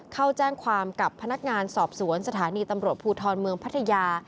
เข้าแจ้งความกับพนักงานสอบสวนสถานีตำรวจภูทรเมืองพัทยา